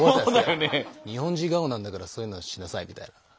「日本人顔なんだからそういうのしなさい」みたいな。